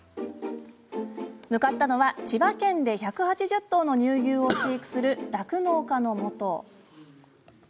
向かったのは、千葉県で１８０頭の乳牛を飼育する酪農家のもと。